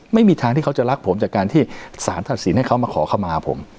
ไม่มีทางที่เขาจะรักผมจากการที่สารตัดสินให้เขามาขอขมาผม